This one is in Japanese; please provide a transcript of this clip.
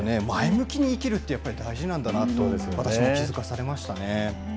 そうですよね、前向きに生きるって、やっぱり大事なんだなと、私も気付かされましたね。